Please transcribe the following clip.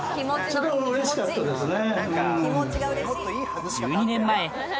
それはうれしかったですね。